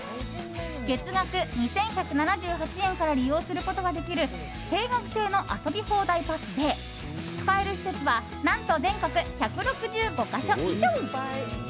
月額２１７８円から利用することができる定額制の遊び放題パスで使える施設は何と全国１６５か所以上。